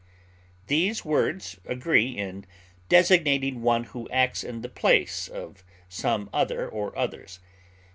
These words agree in designating one who acts in the place of some other or others.